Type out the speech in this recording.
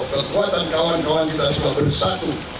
kekuatan kawan kawan kita semua bersatu